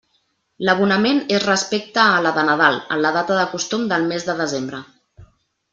L'abonament és respecte a la de Nadal en la data de costum del mes de desembre.